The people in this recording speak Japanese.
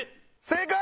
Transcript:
正解！